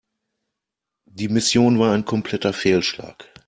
Die Mission war ein kompletter Fehlschlag.